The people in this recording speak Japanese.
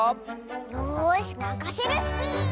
よしまかせるスキー！